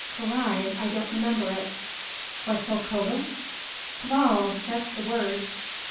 Carrai! I don't remember it." "Quetzalcoatl?" "Caval! that's the word.